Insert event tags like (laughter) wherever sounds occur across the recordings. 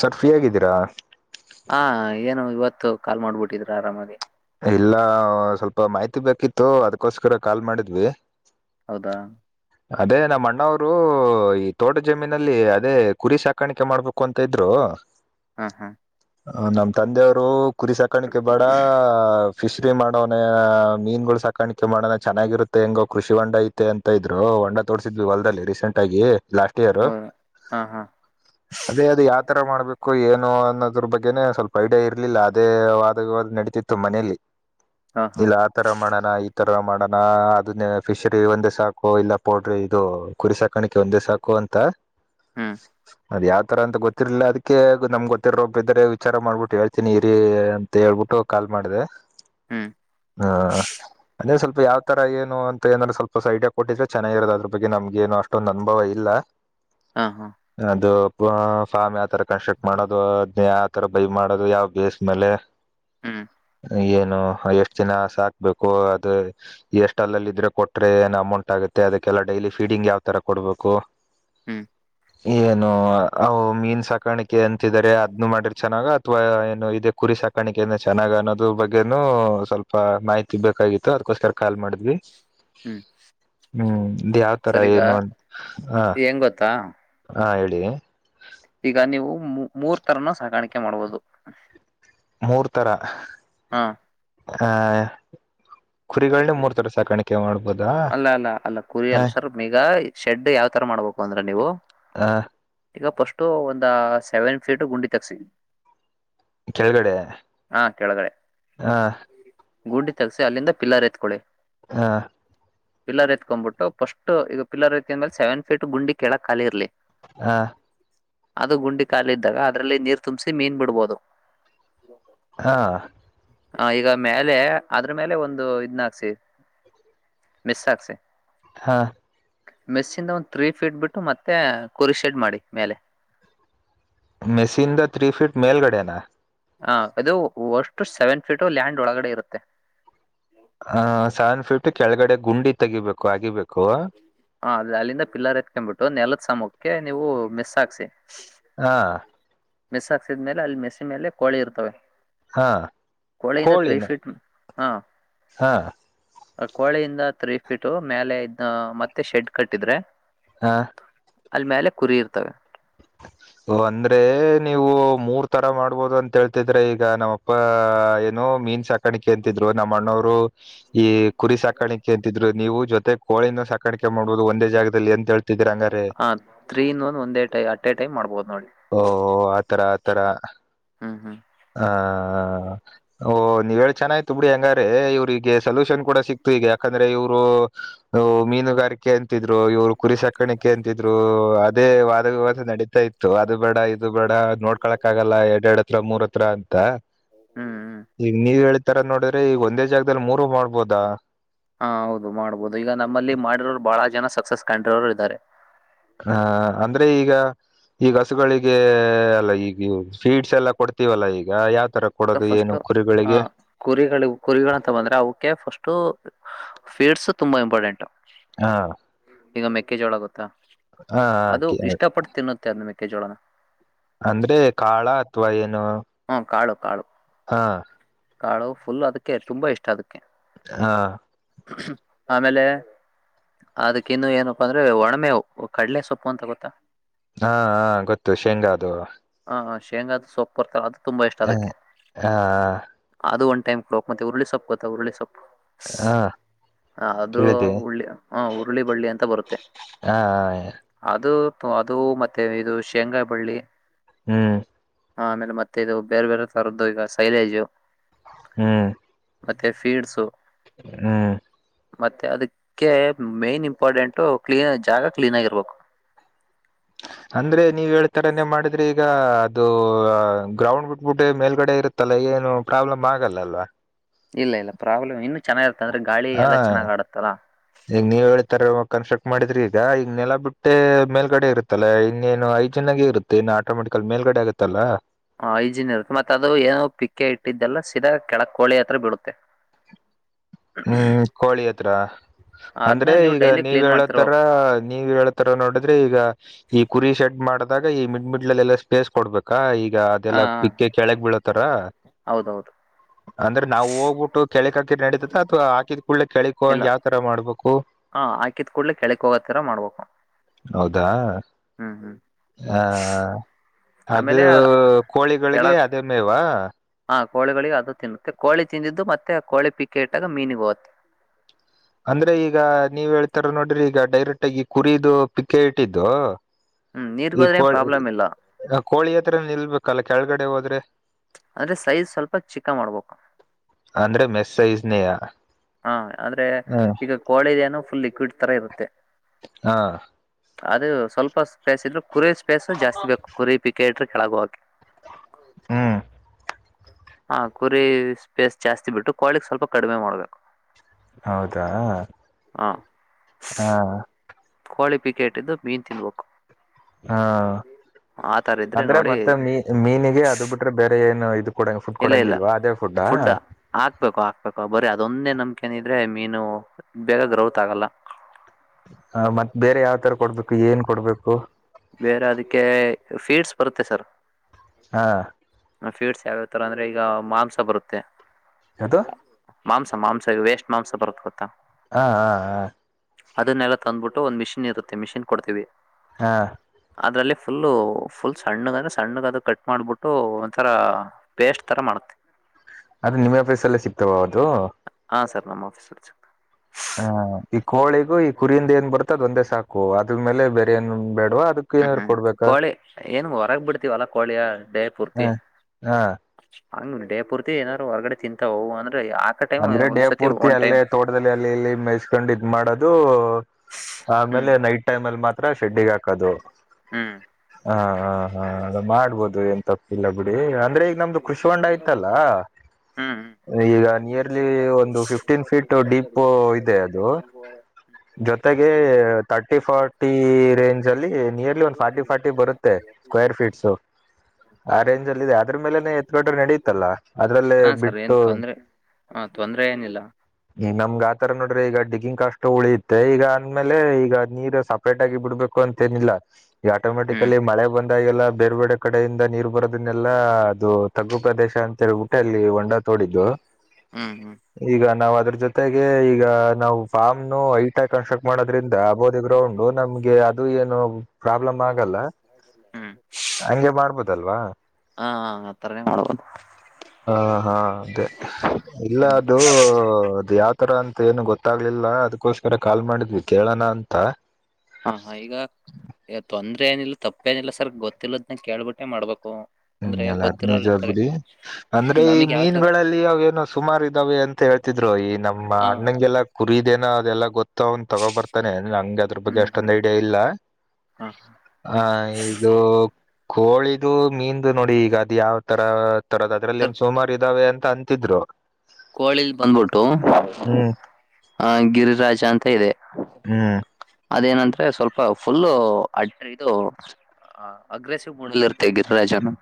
Sir free ಆಗಿದ್ದೀರಾ ಹಾ ಏನು ಇವತ್ತು ಕಾಲ್ ಮಾಡ್ಬಿಟ್ಟಿದಿರಾ ಆರಾಮಾಗಿ ಇಲ್ಲಾ ಸ್ವಲ್ಪ ಮಾಹಿತಿ ಬೇಕಿತ್ತು ಅದಕ್ಕೋಸ್ಕರ ಕಾಲ್ ಮಾಡಿದ್ವಿ ಹೌದಾ ಅದೇ ನಮ್ಮ ಅಣ್ಣಾವ್ರು ಈ ತೋಟದ ಜಮೀನಲ್ಲಿ ಅದೇ ಕುರಿ ಸಾಕ ಕಾಣಿಕೆ ಮಾಡ್ಬೇಕು ಅಂತಿದ್ರು ಹಾ ಹಾ ನಮ್ ತಂದೆಯವರು ಕುರಿ ಸಾಕಾಣಿಕೆ ಬ್ಯಾಡಾ ಫಿಶ್ರರಿ ಮಾಡೋವನೆ ಮೀನ್ ಗಳು ಸಾಕಾಣಿಕೆ ಮಾಡೋನ ಚೆನ್ನಾಗಿರುತ್ತೆ ಹೆಂಗೋ ಕೃಷಿ ಹೊಂಡಾ ಇ ಮ ಅಂತ ಇದ್ರು ಹೊಂಡಾ ತೋಡರ್ಸಿದ್ವಿ ಹೊಲದಲ್ಲಿ ರೀಸೆಂಟ್ ಆಗಿ ಲಾಸ್ಟ್ ಇಯರು ಹೌದು ಹಾ ಹಾ ಅದೇ ಅದು ಯಾವತರಾ ಮಾಡ್ಬೇಕು ಏನು ಅನ್ನೋದ್ರ ಬಗ್ಗೆನೆ ಸ್ವಲ್ಪ ಐಡಿಯಾ ಇರ್ಲಿಲ್ಲ ಅದೇ ವಾದ ವಿವಾದ್ ನಡತಿತ್ತ ತು ಮನೆಯಲ್ಲಿ ಹಾ ಹಾ ಇಲ್ಲಾ ಈ ತರಾ ಮಾಡೋಣ ಈ ತರ ಮಾಡೋಣ ಅದನ್ನ ಫಿಶರಿ ಒಂದೇ ಸಾಕು ಇಲ್ಲ ಪೌಡ್ರಿ ಇದು ಕುರಿ ಸಾಕಾಣಿಕೆ ಒಂದೇ ಸಾಕು ಅಂತಾ ಹ್ಮ್ ಅದ್ ಯಾವ ತರಾ ಅಂತ ಗೊತ್ತಿರ್ಲಿಲ್ಲ ಅದಕ್ಕೆ ನಮ್ ಗೊತ್ತಿರೋಬ್ಬರು ಇದ್ದಾರೆ ವಿಚಾರ ಮಾಡ್ಬಿಟ್ಟು ಹೇಳ್ತೀನಿ ಇರಿ ಅಂತ ಹೇಳ್ಬಿಟ್ಟು ಕಾಲ್ ಮಾಡಿದೆ ಹ್ಮ್ ಹ ಅಂದೆ ಸ್ವಲ್ಪ ಯಾವ ಯಾ ತರಾ ಏನು ಅಂತ ಏನ್ರೆ ಸ್ವಲ್ಪ ಐಡಿಯ ಕೊಟ್ಟಿದೆ ಚೆನ್ನಾಗಿ ಇರೋದ ಅದರ ನಮಗೆ ಏನು ಅಷ್ಟೊಂದು ಅನುಭವ ಇಲ್ಲಾ ಹಾ ಹಾ ಅದು ಫಾರ್ಮ್ ಯಾವ ತರಾ ಕನ್ಸಪ್ ಮಾಡೋದು ಅದ್ ಯಾವ ತರ ಬೈ ಮಾಡೋದು ಯಾವ್ ಬೇಸ್ ಮೇಲೆ ಹೂಂ ಏನು ಎಷ್ಟ ಜನಾ ಸಾಕಬೇಕು ಅದು ಎಷ್ಟ ಅಲ್ಲಿ ಇದ್ರೆ ಕೊಟ್ರೆ ಏನ್ ಅಮೌಂಟ್ ಆಗುತ್ತೆ ಅದಕ್ಕೆಲ್ಲಾ ಡೈಲಿ ಫೀಡಿಂಗ್ ಯಾವ್ ತರಾ ಕೊಡ್ಬೇಕು ಹ್ಮ್. ಏನೊ ಅ ಮೀನ್ ಸಾಕಾಣಿಕೆ ಅಂತಿದಾರೆ. ಅದ್ನು ಮಾಡಿರ್ ಚೆನ್ನಾಗ ಅಥವಾ ಏನು ಇದೇ ಕುರಿ ಸಾಕಾಣಿಕೆ, ಕೆನೆ ಚೆನ್ನಾಗ್ ಅನ್ನೋದ ಬಗ್ಗೆನು ಸ್ವಲ್ಪ ಮಾಹಿತಿ ಬೇಕಾಗಿತ್ತು ಅದ್ಕೋಸ್ಕರ ಕಾಲ್ ಮಾಡಿದ್ವಿ. ಹ್ಮ್ ಹ್ಮ್ ಅದೇ ಯಾವ್ ತರ ಏನು ಹ ಏನ್ ಗೊತ್ತಾ. ಹಾ ಹೇಳಿ. ಈಗ ನೀವು ಮು ಮೂರ್ ತರನು ಸಾಕಣಿಕೆ ಮಾಡಬಹುದು. ಮೂರ್ ತರ. ಹಾ. ಆ. ಕುರಿಗಳನ ಮೂರ್ ತರ ಸಾಕಾಣಿಕೆ ಮಾಡ್ಬೋದಾ. ಅಲ್ಲ ಅಲ್ಲ ಅಲ್ಲ ಹ ಕುರಿಲ್ಲ ಸರ್ ಈಗ ಶೆಡ್ ಯಾವತರ ಮಾಡ್ಬೇಕು ಅಂದ್ರೆ ನೀವು. ಹ ಈಗ ಫಸ್ಟು ಒಂದ ಸೆವೆನ್ ಫೀಟ್ ಗುಂಡಿ ತೆಕ್ಸಿ. ಕೆಳಗಡೆ ಹಾ ಕೇಳಗಡೆೆ. ಹ ಗುಡ್ಡಿ ತೇಗ್ಸಿ ಅಲ್ಲಿಂದ ಪಿಲ್ಲರ್ ಎತ್ಕೊಳ್ಳಿ. ಹಾ. ಪಿಲ್ಲರ್ ಎತ್ಕ್ಬಿಟ್ಟು ಫಸ್ಟ್ ಈಗ ಪಿಲ್ಲರ್ (unintelligible) ಎತಿ ಗದ್ ಮೇಲ್ ಸೆವೆನ್ ಫೀ ಗಂಡಿ ಕೆೇಳಕ್ ಖಾಲಿರ್ಲಿ. ಹಾ. ಅದು ಗುಂಡಿ ಕಾಲಿ ಇದ್ದಾಗ ಅದ್ರಲ್ಲಿ ನೀರ್ ತುಂಬಸಿ ಮೀನ್ ಬಿಡ್ಬೋದು. ಹಾ. ಹ ಈಗ ಮೇಲೆ ಅದ್ರ ಮೇಲೆ ಒಂದು ಇದ್ನ ಹಾಕ್ಸಿ. ಮಿಸ್ಸ ಹಾಕ್ಸಿ. ಹಾ. ಮೆಸ್ಸಿಂದ ಒಂದ್ ತ್ರೀ ಫೀಟ್ ಬಿಟ್ಟು ಮತ್ತೆ ಕುರಿ ಶೆಡ್ ಮಾಡಿ ಮೇಲೆ. ಮೆಸಿಂದ ತ್ರೀ ಫೀಟ್ ಮೇಲ್ಗಡೆನಾ. ಹ ಅದು ಒಷ್ಟು ಸೆವೆನ್ ಫೀಟು ಲ್ಯಾಂಡ್ ಒಳಗಡೆ ಇರುತ್ತೆ. ಹಹ ಸೆವೆನ್ ಫೀಟ್ ಕೆಳಗಡೆ ಗುಂಡಿ ತೆಗಿಬೇಕು. ಹಗಿಬೇಕು. ಹ ಅದೆ ಅಲ್ಲಿಂದ ಪಿಲ್ಲರ್ ಎತ್ಕ್ಬಿಟ್ಟು ನೆಲದ ಸಮಕ್ಕೆ ನೀವು ಮೆಸ್ಸ್ ಹಾಕ್ಸಿ. ಹಾ. ಮೆಸ್ಸ ಹಾಕ್ಸಿದ ಮೇಲೆ ಅಲ್ಲಿ ಮೆಸ್ಸ್ ಮೇಲೆ ಕೋಳಿ ಇರ್ತವೆ. ಹಾ ಕೊಳಿ ಯಿಂದ ತ್ರೀ ಕೋಳಿನ ಫೀಟ್ ಹ ಹಾ ಕೋಳಿಯಿಂದ ತ್ರೀ ಫೀಟ್ ಮೇಲೆ ಇದ ಮತ್ತೆ ಶೆಡ್ ಕಟ್ಟಿದ್ರೆ. ಹಾ. ಅಲ್ ಮ್ಯಾಲೆ ಕುರಿ ಇರ್ತವೆ. (inaudible) ಓ ಅಂದ್ರೆ ನೀವು ಮೂರ್ ತರ ಮಾಡ್ಬೋದು ಅಂತೇಳ್ತಿದ್ರೆ. ಈಗ ನಮ್ಮಪ್ಪಾ ಏನೋ ಮೀನ್ ಸಾಕ್ ಕಣಿಕೆ ಅಂತಿದ್ರು. ನಮ್ಮ ಅಣ್ಣವರು ಈ ಕುರಿ ಸಾಕಾಣಿಕೆ ಅಂತಿದ್ರು ನೀವು ಜೊತೆ ಕೋಳಿನು ಸಾಕಾಣಿಕೆ ಮಾಡ್ಬಹುದು ಒಂದೇ ಜಾಗದಲ್ಲಿ ಎಂತ ಹೇಳ್ತಿದ್ರ ಹಂಗಾರೇ. ತ್ರೀನ್ ಒಂದೇಟೈ ಅಟ್ಟೇ ಟೈಮ್ ಮಾಡ್ಬೋದು ನೋಡಿ. ಓ ಆತರ ಆತರ ಹ್ಮ್ ಹ್ಮ್ ಆ. ಓ ನೀವ್ ಹೇಳಿದ್ ಚೆನಾಯ್ತು ಬಿಡಿ ಹೆಂಗಾರ್ರ ಇವ್ರಿಗೆ ಸೊಲ್ಯೂಷನ್ ಕೂಡ ಸಿಕ್ತು. ಈಗ ಯಾಕಂದ್ರೆ ಇವ್ರು, ದು ಮೀನುಗಾರಿಕೆ ಅಂತಿದ್ರು. ಇವ್ರು, ಕುರಿ ಸಾಕಣಿಕೆ ಅಂತಿದ್ರು ಅದೇ ವಾದ ವಿವಾದ ನಡೀತಾ ಇತ್ ತು ಅದು ಬೇಡ ಇದು ಬೇಡ ನೋಡ್ಕೊಳಕ್ ಆಗಲ್ಲ ಎಡ್ ಎಡ್ ಹತ್ರ ಮೂರ ಹತ್ರ ಅಂತ. ಹ್ಮ್ ಹ್ಮ್ ಈಗ ನೀವ ಹೇಳಿದ್ ನೋಡಿದ್ರೆ ಈಗ ಒಂದೇ ಜಾಗದಲ್ಲಿ ಮೂರು ಮಾಡ್ಬೋದಾ. ಹಾ ಹೌದು ಮಾಡ್ಬೋದು ಈಗ ನಮ್ಮಲ್ಲಿ ಮಾಡಿರೋರು ಬಹಳ ಜನ ಸಕ್ಸಸ್ ಕಂಡಿರೋರು ಇದ್ದಾರೆ. ಹ ಅಂದ್ರೆ ಈಗ. ಈಗ ಹಸುಗಳಿಗೆ ಅಲ್ಲ ಈಗ ಫೀಡ್ಸ್ ಎಲ್ಲ ಕೊಡ್ತೀವಲ್ಲ ಈಗ ಯಾವ್ ತರ. ಈಗ ಕೊಡೋದು ಫಸ್ಟ್ ಏನು ಹ ಕುರಿಗಳಿಗೆ. ಕುರಿಗಳು ಕುರಿಗಳಂತ ಬಂದ್ರೆ ಅವಕ್ಕೆ ಫಸ್ಟ್ ಫೀಡ್ಸ್ ತುಂಬಾ ಇಂಪಾರ್ಟೆಂಟ್. ಹಾ- ಈಗ ಮೆಕ್ಕೆಜೋಳ ಗೊತ್ತಾ ಹ ಅದು ಇಷ್ಟಪಟ್ಟು ತಿನ್ನುತ್ತೆ ಅದದು ಮೆಕ್ಕೆಜೋಳನ. ಅಂದ್ರೆ ಕಾಳ ಅಥವಾ ಏನು. ಹ್ಮ ಕಾಳು ಕಾಳು. ಹಾಂ- ಕಾಳು ಫುಲ್ ಅದಕ್ಕೆ ತುಂಬಾ ಇಷ್ಟ ಅದಕ್ಕೆ. ಹಾ- ಆಮೇಲೆ. ಅದಕ್ಕಿನ್ನು ಏನಪ್ಪಾ ಅಂದ್ರೆ ಒಣಮೆ ಕಡ್ಲೆ ಸೊಪ್ಪು ಅಂತ ಗೊತ್ತಾ. ಹಾ ಹ ಗೊತ್ತು ಶೇಂಗ ಅದು. ಹಾ ಶೇಂಗಾದ ಸೊಪ್ು ಬರ್ತಲ್ಲ ಅದು ತುಂಬಾ ಇಷ್ಟ ಹ ಅದಕ್ಕೆ. ಹ ಅದು ಒ ಟೈಮ್ಲಾಕ್ತ್ತೆ ಉರುಳ್ಳಿೊಪ್ಪ ಗೊತ್ತ ಉರುಳ ಸೊಪ್. ಹಾ ಹ ಅದು ಕೇಳಿದೆ ಉರುಳ್ಳಿ ಹ ಉರುಳಿ ಬಳ್ಳಿ ಅಂತ ಬರುತ್ತೆ. ಹಾ ಹ - ಅದು ಅದು ಮತ್ತೆ ಇದು ಶೇಂಗ ಬಳ್ಳಿ. ಹ್ಮ್- ಹ ಆಮೇಲೆ ಮತ್ತೆ ಇದು ಬೇರೆ ಬೇರೆ ತರದ್ದು ಈಗ ಸೈಲೇಜ್. ಹ್ಮ್- ಮತ್ತೆ ಫೀಡ್ಸು. ಹ್ಮ- ಮತ್ತೆ ಅದಕ್ಕೆ ಮೇನ್ ಇಂಪಾರ್ಟೆಂಟು ಕ್ಲೀನ್ ಜಾಗ ಕ್ಲೀನ್ ಆಗಿರ್ಬೇಕು. ಅಂದ್ರೆ ನೀವ್ ಹೇಳ್ತಾರನೇ ಮಾಡಿದ್ರೆ ಈಗ ಅದು ಗ್ರೌಂಡ್ ಬಿಟ್ಟ. ಗಬಿಟ್ಟೆ ಮೇಲ್ಗಡೆ ಇರುತ್ತಲ್ಲ ಏನು ಪ್ರಾಬ್ಲಮ್ ಆಗಲ್ಲ ಅಲ್ವಾ. ಇಲ್ಲ ಇಲ್ಲ ಪ್ರಾಬ್ಲಮ್ ಇನ್ನುೂ ಚೆನ್ನಾಗಿತ್ತ ಅಂದ್ರೆ ಗಾಳ ಹಾ ಎಲ್ಲ ಚೆನ್ನ್ ಆಡತ್ತಲ್ಲಾ. ಈಗ ನೀವ್ ಹೇಳ್ತಾರ ಕನ್ಸ್ಟ್ರಕ್ಟ್ ಮಾಡಿದ್ರಿ ಈಗ ಈಗ ನೆಲ ಬಿಟ್ಟೆ ಮೇಲ್ಗಡೆ ಇರುತ್ತಲ್ಲ ಇನ್ನೇನು ಐ್ಜನಾಗ ಇರುತ್ತೆ. ಇಏ ಆಟೋಮೆಟಿಕಕ್ಲ್ಲಿ ಮೇಲ್ಗಡೆ ಆಗತ್ತಲ್ಲ. ಹ ಐಜಿನ್ ಇರುತ್ತೆ ಮತ್ತತ್ ಅದು ಏನೋ ಪಿಕ್ಕ ಇಟ್ಟಿದ್ದೆಲ್ಲ ಸೀದಾ ಕೆಳಕ್ ಕೋಳಿ ಹತ್ರ ಬಿಡುತ್ತೆ. (unintelligible) ಹ್ಮ್ ಕೋಳಿ ಹತ್ರ ಅದನ್ನ ಅಂದ್ರೆ ನೀವು ಈಗ ಡೈಲಿ ನೀವ್ ಕ್ಲೀನ್ ಹೇಳತ್ತರ ಮಾಡ್ತಿರ್ಬೇಕು ನೀವ ಹೇಳ. ತರ ನೋಡಿದ್ರೆ ಈಗ ಈ ಕುರಿ ಶೆಡ್ ಮಾಡಿದಾಗ ಈ ಮಿಡ್ ಮಿಡ್ಲ್ ಅಲ್ಲಿ ಎಲ್ಲಾ ಸ್ಪೇಸ್ ಕೊಡ್ಬೇಕಾ ಈಗ. ಹಾ ಅದೆಲ್ಲಾ ಪಿಕ್ಕ ಕೆಳಗ್ ಬೀಳತಾರ. ಹೌದೌದು ಅಂದ್ರೆ ನಾವು ಹೋಗ್ಬಿಟ್ಟು ಕೆಳಿ ಹಾಕಿ ನಡತದ ಅಥವಾ ಹಾಕಿದ್ ಕುೂಳ್ಳಲೆ ಕೆ. ಇಲ್ಲ ಹಾ ಹಾಕಿದ ಕೂಡ್ಲೆ ಕೆಳಕ್ ಹೋಗತರ ಮಾಡ್ಬೇಕು. ಹೌದಾ ಹ್ಮ್ ಹ್ಮ್ ಹ. ಅದು ಆಮೇಲೆ ಕೋಳಿಗಳಿಗೆ ಕೆಳಕ್ ಅದೇ ಮೇವಾ. ಹಾ ಕೋಿಗಳಿಗೆ ಅದು ತಿನ್ತ್ತೆ ಕೋಿ ತಿಂದಿದ್ದು ಮತ್ತೆ ಕೋಳಿ ಪಿಕ್ಕಿ ಇಟ್ಟಾಗ ಮೀನಿಗೆ ಹೋಗುತ್ತೆ. ಅಂದ್ರೆ ಈಗ ನೀವ್ ಹೇಳ್ತಾರ ನೋಡ್ರಿ ಈಗ ಡೈರೆಕ್ಟ್ ಆಗಿ ಕುರಿದು ಪಿಕ್ಕ ಇಟ್ಟಿದ್ದು. ಹ್ಮ್ ಈ ನೀರ್ಗೋದ್ರೆ ಏನ್ ಕೋಳಿ ಪ್ರಾಬ್ಲಮ್ ಇಲ್ಲ ಕೋಳಿ ಹತ್ರ ನಿಲ್ಬೇಕಲ್ಲ ಕೆಳಗಡೆ ಹೋದ್ರೆ. ಅಂದ್ರೆ ಸೈಜ್ ಸ್ವಲ್ಪ ಚಿಕ್ಕ ಮಾಡ್ಬೇಕು. ಅಂದ್ರೆ ಮೆಸ್ ಸೈಜ್ನೇಯ. ಹಾ ಆದ್ರೆ ಈಗ ಕೋಳಿಿದ ಏನೋ ಫುಲ್ ಲಿಕ್ವಿಡ್ ತರ ಇರುತ್ತೆ. ಹಾ ಅದೇ ಸ್ವಲ್ಪ ಸ್ಪೇಸ್ ಇದ್ರೆ ಕುರಿ ಸ್ಪೇಸ್ ಜಾಸ್ತಿ ಬೇಕು ಕುರಿ ಪಿಕೆ ಇಟ್ರೆ ಕೆಳಗೆ ಹೋಗಕೆ. ಹ್ಮ್ ಹಾ ಕುರಿ ಸ್ಪೇಸ್ ಜಾಸ್ತಿ ಬಿಟ್ಟು ಕೋಳಿಕ್ ಸ್ವಲ್ಪ ಕಡಿಮೆ ಮಾಡ್ಬೇಕು. ಹೌದಾ ಹ ಹಾ ಕೋಳಿ ಫಿಕೆ ಇಟ್ಟಿದ್ದು ಮೀನ್ ತಿನ್ಬೇಕು. ಹಾ ಆತರ ಇದ್ರೆ ಅಂದ್ರೆ ಮತ್ತೆ ನೋಡಿ ಮೀ ಮೀನಿಗೆ ಅದು ಬಿಟ್ರೆ ಬೇರೆ ಏನು ಇದು ಕೊಡಂಗ ಫುಡ್ ಇಲ್ಲ ಇಲ್ಲ ಕೊಡಂಗಿಲ್ವಾ ಅದೇ ಫುಡ್ಡಾ ಪುಡ್ ಹ ಹಾಕ್ಬೇಕು ಹಾಕ್ಬೇಕು ಬರೀ ಅದೊಂದೇ ನಂಬಿಕೆನ್ ಇದ್ರೆ ಮೀನು ಬೇಗ ಗ್ರೌತ್ ಆಗಲ್ಲ. ಹ ಮತ್ತ್ ಬೇರೆ ಯಾವ್ ತರ ಕೊಡ್ಬೇಕು ಏನ್ ಕೊಡ್ಬೇಕು. ಬೇರೆ ಅದಕ್ಕೆ ಪೀಡ್ಸ್ ಬರುತ್ತೆ ಸರ್. ಹಾ ಫೀಡ್ಸ್ ಯಾವ್ಯಾವ್ ತರ ಅಂದ್ರೆ ಈಗ ಮಾಂಸ ಬರುತ್ತೆ. ಯಾವದೊ ಮಾಂಸ ಮಾಂಸ ವೇಸ್ಟ್ ಮಾಂಸ ಬರುತ್ತ್ ಗೊತ್ತಾ. ಹಾ ಹಾ ಹಾ ಅದನ್ನೆಲ್ಲ ತಂದ್ಬಿಟ್ಟು ಒಂದು ಮಿಷಿನ್ ಇರುತ್ತೆ ಮಿಷಿನ್ ಕೊಡ್ತೀವಿ. ಹಾ ಅದ್ರಲ್ಲಿ ಪುಲ್ ಪುಲ್ ಸಣ್ಣ ಅಂದ್ರೆ ಸಣ್ಣಗ ಅದು ಕಟ್ ಮಾಡ್ಬಿಟ್ಟು ಒಂಥರಾ ಪೇಸ್ಟ್ ತರ ಮಾಡುತ್ತೆ. ಅದು ನಿಮ್ಮ ಅಫೀಸಲ್ಲೇ ಸಿಗ್ತಾವ ಅದು. ಹಾ ಸರ್ ನಮ್ಮ ಆಫೀಸ್ ಸಿಗು ಹ ಈ ಕೋಳಿಗೂ ಈ ಕುರಿಯಿಂದ ಏನ್ ಬರುತ್ತೋ ಅದು ಒಂದೇ ಸಾಕು ಅದ್ಮೇಲೆ ಬೇರೆ ಏನ್ ಬೇಡವಾ ಅದ್ ಹ್ಮ್ ಹ್ಮ್ ಕೋಳಿ ಏನ್ ಹೊರಗ್ ಬಿಡ್ತಿವಲ್ಲಾ ಕೋಳಿಯ ಡೇ ಹ ಪೂರ್ತಿ. ಹಾ ಹಂಗ್ ಡೇ ಪೂರ್ತಿ ಏನಾರು ಹೊರಗಡೆ ತಿಂತಾವವು ಅಂದ್ರೆ ಯಾಕ್ ಅಂದ್ರೆ ಡೇ ಪೂರ್ತಿ ಅಲ್ಲೇ ತೋಟದಲ್ಲಿ ಅಲ್ಲಿ ಇಲ್ಲಿ ಮೇಯಿಸ್ಕೊಂಡ್ ಇದ್ ಮಾಡೋದು ಹ್ಮ್ ಆಮೇಲೆ ನೈಟ್ ಟೈಮ್ ಅಲ್ಲಿ ಮಾತ್ರ ಶೆಡ್ಡಿಗೆ ಹಾಕೋದು. ಹ್ಮ್ ಹಾ ಹಾ ಹಾ ಅದ್ ಮಾಡ್ಬೂಡ್ರಿ ಎನ್ ತಪ್ ಇಲ್ಲ ಬುಡಿ ಅಂದ್ರೆ ಈಗ ನಮ್ದು ಕೃಷಿ ಹೊಂಡ ಇಯ್ತಲ್ಲ ಹ್ಮ್ ಹ್ಮ್ ಈಗ ನೀರ್ ಅಲ್ಲಿ ಒಂದು ಫಿಫ್ಟೀನ್ ಫೀಟ್ ಡೀಪ್ ಇದೆ ಅದು. ಜೊತೆಗೆ ತರ್ಟಿ ಫಾರ್ಟಿ ರೇಂಜ್ ಅಲ್ಲಿ ನಿಯರ್ಲಿ ಒಂದು ಫಾರ್ಟಿ ಫಾರ್ಟಿ ಬರುತ್ತೆ. ಸ್ಕ್ವೇರ್ ಫೀಟ್ಸು ಆ ರೇಂಜ್ ಅಲ್ಲಿ ಇದೆ ಅದ್ರ ಮೇಲೆನೆ ಎತ್ಕೊಂಡರು ನಡೆಯುತ್ತಲ್ಲ. ಅದ್ರಲ್ಲೇ ಹಾ ಸರ್ ಏನ್ ಬಿಟ್ಟು ತೊಂದ್ರೆ ಹ ತೊಂದರೆ ಏನಿಲ್ಲ. ಈ ನಮಗ ಆತರ ನೋಡಿದೆ ಈಗ ಡಿಗಿಂಗ್ ಕಷ್ಟು ಉಳಿಯತ್ತೆ ಈಗ ಅಂದ್ಮೇಲೆ ಈಗ ನೀರ್ ಸ ಸಪರೆಟ್ ಆಗಿ ಬಿಡ್ಬೇಕು ಅಂತ ಏನಿಲ್ಲ ಈಗ ಹ್ಮ್ ಆಟೋಮೆಟಿಕಲಿ ಮಳೆ ಬಂದ್ ದಗಲ್ಲೆ ಬೇರೆ ಬೇಡೆ ಕಡೆಯಿಂದ ನೀರ್ ಬರೋದನ್ನೆಲ್ಲಾ ಅದು ತಗ್ಗು ಪ್ರದೇಶ ಅಂತ ಹೇಳು ಬುಟ್ಟ್ ಹಟ್ಟಲ್ಲಿ ಹೊಂಡಾ ತೋಡಿದ್ದು. ಹ್ಮ್ ಹ್ಮ್ ಈಗ ನಾವು ಅದ್ರ ಜೊತೆಗೆ ಈಗ ನಾವು. ಫಾರ್ಮ್ ನ್ನೂ ಐಟಕ್ ಕನ್ಸ್ಟ್ರಕ್ಟ್ ಮಾಡೋದ್ರಿಂದ ಅ ಬೋದಿ ಗ್ರೌಂಡು ನಮಗೆ ಅದು ಏನು. ಪ್ರಾಬ್ಲಮ್ ಆಗಲ್ಲ ಹ್ಮ್ ಹಂಗೆ ಮಾಡ್ಬೋದಲ್ವಾ. ಹಾ ಅತರನೆ ಮಾಡಬೋದ್ ಹಾ ಹಾ ಅದೇ ಇಲ್ಲ ಹ್ಮ್ ಅದು ದ್ಯಾ ಯಾವತರ ಅಂತ ಏನು ಗೊತ್ತಾಗ್ಲಿಲ್ಲ ಅದ್ಕೋಸ್ಕರ ಕಾಲ್ ಮಾಡಿದ್ವಿ ಕೇಳೋಣ ಅಂತ. ಹಾ ಹಾ ಈಗ ತೊಂದ್ರೆ ಏನಿಲ್ಲ ತಪ್ಪೇಏನಿಲ್ಲ ಸರ್ ಗೊತ್ತಿಲ್ಲದ್ನ ಕೇಳ್ಬಿಟ್ಟೆ ಮಾಡ್ಬೇಕು. ಹ್ಮ್ ಅಂದ್ರೆ ಎಲ್ಲ ಅದ ಗೊತ್ತಿರೋರು ನಿಜ ಇರ್ತಾರೆ ಬಿಡಿ. ಅಂದ್ರೆ ಈ ನಮಗ್ ಯಾವ ತರ ಮೀನ್ಗಳಲ್ಲಿ ಅವೇಏನೋ ಸುಮಾರು ಇದಾವೆ ಅಂತ ಹೇಳ್ತಿದ್ರು ಈ ನಮ್ಮ ಹ ಅಣ್ಣಂಗೆಲ್ಲ ಕುರಿದೇನ ಅದೆಲ್ಲ ಗೊತ್ತ ಅವನ್ ತಗೋಬರ್ತಾನೆ ನನ್ಗ ಅದ್ರ ಬಗ್ಗೆ ಹ್ಮ್ ಹ್ಮ್ ಅಷ್ಟೊಂದ್ ಐಡಿಯಾ ಇಲ್ಲ. ಹ ಹಾ ಇದು. ಕೋಳಿದು ಮಿಂನದು ನೋಡಿ ಈಗ ಅದ್ ಯಾವ ತರ ತರೋದ ಅದ್ರಲ್ಲಿ ಸರ್ ಏನ್ ಸುಮಾರ ಇದ್ದಾವೆ ಅಂತ ಅಂತಿದ್ರು. ಕೋಳಿಲ್ ಬಂದ್ಬಿಟ್ಟು ಹ್ಮ್ ಆ ಗಿರಿರಾಜ ಅಂತ ಇದೆ. ಹ್ಮ್ ಅದೇನಂದ್ರೆ ಸ್ವಲ್ಪ ಫುಲ್ಲು ಅಡ್ಡ ಇದು ಹ ಅಗ್ರೆಸಿವ್ ಮೂಡಲಿ ಇರ್ತೆರ್ ತೆಗೀರ್ ರಾಜಾ ನೀವ್.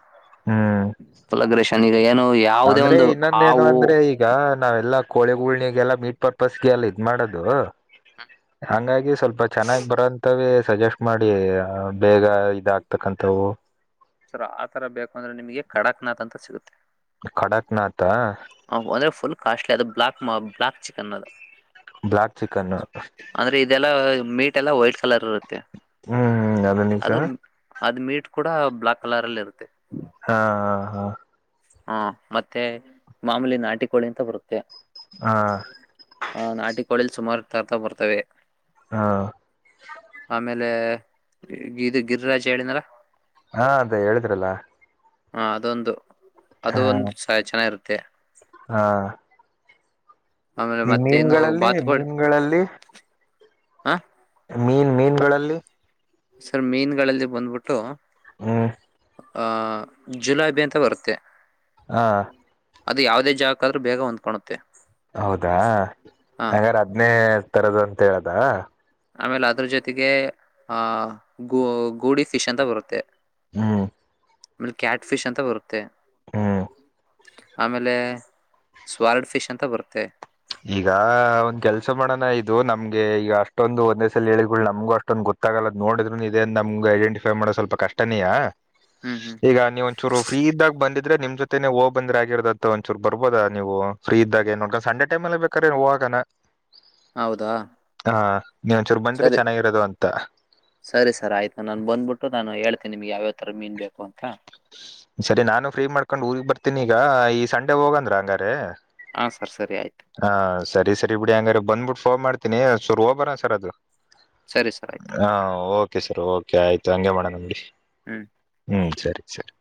ಹ್ಮ್ ಪುಲ ಅಗ್ರೇಶನ್ ಈಗ ಏನು ಯಾವುದೇ ಅಂದ್ರೆ ಒಂದು ಇನ್ನೊಂದೇನು ಹಾವು. ಅಂದ್ರೆ ಈಗ ನಾವೆಲ್ಲಾ ಕೋಳಿಗೂಣಿಗೆಲ್ಲ ಮೀಟ್ ಪರ್ಪಸ್ಗೆ ಎಲ್ಲ ಇದ್ ಮಾಡೋದು ಹಂಗಾಗಿ ಸ್ವಲ್ಪ ಚೆನ್ನಾಗಿ ಬರೋಂತವ ಸಜೆಸ್ಟ್ ಮಾಡಿ ಬೇಗ ಇದಾಗಗ್ತಕ್ಕಂತವು. ಸರ್ ಆಥರ ಬೇಕು ಅಂದ್ರೆ ನಿಮಗೆ ಕಡಕ್ನಾಥ್ ಅಂತ ಸಿಗುತ್ತೆ. ಕಡಕ್ನಾಥ. ಹ ಒಂದ್ರೆ ಫುಲ್ ಕಾಸ್ಟ್ಲಿ ಅದು ಬ್ಲಾಕ್ ಬ್ಲಾಕ್ ಚಿಕನ್ ಅದು. Black chicken. ಇದೆಲ್ಲಾ ಮೀಟ್ ಎಲ್ಲ ವೈಟ್ ಕಲರ್ ಇರುತ್ತೆ. ಹ್ಮ್ ಹ್ಮ್ ಅದು ನಿಜಾ. ಅದ್ ಮೀಟ್ ಕೂಡ ಬ್ಲಾಕ್ ಕಲರ್ ಅಲ್ಲಿ ಇರುತ್ತೆ. ಹಾ ಹಾ ಹಾ. ಹಾ ಮತ್ತೆ ಮಾಮೂಲಿ ನಾಟಿಕೋಳಿ ಅಂತ ಬರುತ್ತೆ. ಹಾ ಹಾ ನಾಟಿ ಕೋಳಿ ಅಲ್ಲಿ ಸುಮಾರು ತರ್ತಾ ಬರ್ತವೆ. ಹಾ ಆಮೇಲೆ ಗಿದು ಗಿರಿರಾಜ್ ಹೇಳಿದ್ನಲ್ಲ. ಹಾ ಅದೇ ಹೇಳಿದ್ರಲ್ಲ. ಹಾ ಅದೊಂದು ಹ ಅದು ಒಂದು ಸ ಚೆನ್ನಾಗಿರುತ್ತೆ. ಹಾ ಆಮೇಲೆ ಈ ಮತ್ತೆ ಇನ್ನು ಮೀನುಗಳಲ್ಲಿ ಬಾತುಕೋಳಿ ಮೀನುಗಳಲ್ಲಿ ಹ ಮೀನ್ ಮೀನ್ಗಳಲ್ಲಿ. ಸರ್ ಮೀನ್ಗಳಲ್ಲಿ ಬಂದ್ಬಿಟ್ಟು ಹ್ಮ್ ಹಾ ಜುಲಾಬಿ ಅಂತ ಬರುತ್ತೆ. ಹಾ ಅದು ಯಾಾವದೇ ಜಾಗಕ್ ಆದ್ರೂ ಬೇಗ ಹೊಂದ್ಕೊಣತ್ತೆ. ಹೌದಾ ಹಂಗಾರ ಅದನೇ ತರದು ಅಂತ ಹೇಳದ. ಆಮೇಲೆ ಅದ್ರ ಜೊತೆಗೆ ಆ ಗು ಗೂಡಿ ಫಿಶ್ ಅಂತ ಬರುತ್ತೆ ಹ್ಮ್ ಆಮೇಲೆ ಕ್ಯಾಟ್ ಫಿಶ್ ಅಂತ ಬರುತ್ತೆ ಹ್ಮ್ ಆಮೇಲೆ ಸ್ವರ್ಡ್ ಫಿಶ್ ಅಂತ ಬರುತ್ತೆ. ಈಗ ಒಂದ್ ಕೆಲ್ಸ ಮಾಡೋಣ ಇದು ನಮ್ಗೆ ಈಗ ಅಷ್ಟೊಂದು ಒಂದೇ ಸಲ ಹೇಳಿಗಳು ನಮ್ಗು ಅಷ್ಟೊಂ ದ್ ಗೊತ್ತಾಗಲ್ಲದ ನೋಡಿದ್ರರುನು ಇದೇನ್ ನಮ್ಗ್ ಐಡೆಟಫೈ ಮಾಡೋ ಸ್ವಲ್ಪ ಕಷ್ಟನೇಯಾ. ಹ್ಮ್ ಹ್ಮ್ ಈಗ ನೀವ್ ಒಂಚೂರು. ಫ್ರೀ ಇದಾಗ ಬಂದಿದ್ರೆ ನೀಮ್ ಜೊತೆನೆ ಹೋ ಬಂದ್ರೆ ಆಗಿರ್ದ್ತು ಒಂಚೂರ್ ಬರ್ಬೋದ ನೀವು ಫ್ರೀ ಇದ್ದಾಗೇ. ಏ ನೋಡ್ಕ್ ಸಂಡೆ ಟೈಮಲ್ಲಿ ಬೇಕ್ರೇ ಹೋಗನ. ಹೌದಾ ಹ ನೀವ ಒಂದಚೂರು ಬಂದಿದ್ರೆ ಸರಿ ಚೆನ್ನಾಗಿರೋದು ಅಂತ. ಸರಿ ಸರ್ ಆಯ್ತು ನಾನು ಬಂದ್ಬಿಟ್ಟು ನಾನು ಹೇಳ್ತನಿ ನಿಮ್ಗೆ ಯಾವಥರ ಮೀನ್ ಬೇಕು ಅಂತ. ಸರಿ ನಾನು ಫ್ರೀ ಮಾಡ್ಕೊಂಡು ಊರಿಗ್ ಬರ್ತೀನಿ ಈಗ ಈ ಸಂಡೆ ಹೋಗಂದ್ರ ಹಂಗಾರೆ. ಹಾ ಸರ್ ಸರಿ ಆಯ್ತು. ಹಾ ಸರಿ ಸರಿ ಬಿಡಿ ಹಂಗಾರ ಬಂದ್ಬಿಟ್ಟ ಫೋನ್ ಮಾಡ್ತೀನಿ ಸರ್ ಹೋಗಬರ ಸರ್ ಅದು. ಸರಿ ಸರ್ ಆಯ್ತು. ಹಾಂ ಓಕೆ ಸರ್ ಓಕೆ ಆಯ್ತು ಹಂಗೆ ಮಾಡೋಣ ಬಿಡಿ. ಹ್ಮ್. ಹ್ಮ್ ಸರಿ ಸರಿ.